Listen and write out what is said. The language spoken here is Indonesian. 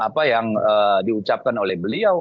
apa yang diucapkan oleh beliau